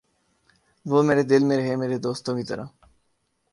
وُہ میرے دل میں رہے میرے دوستوں کی طرح